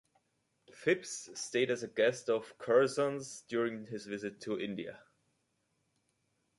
Phipps stayed as a guest of Curzons during his visit to India.